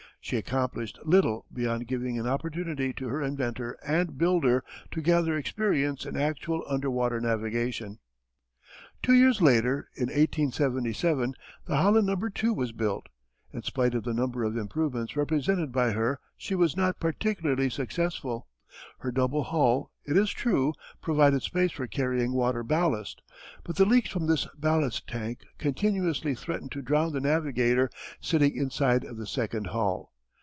She accomplished little beyond giving an opportunity to her inventor and builder to gather experience in actual underwater navigation. Two years later in 1877 the Holland No. 2 was built. In spite of the number of improvements represented by her she was not particularly successful. Her double hull, it is true, provided space for carrying water ballast. But the leaks from this ballast tank continuously threatened to drown the navigator sitting inside of the second hull.